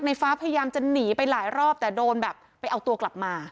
ฟ้าพยายามจะหนีไปหลายรอบแต่โดนแบบไปเอาตัวกลับมา